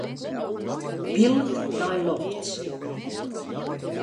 Pylk nei lofts.